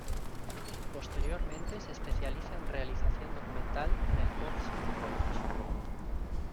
Posteriormente se especializa en Realización Documental en el Goldsmith College.